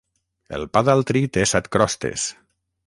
El pa d'altri té set crostes.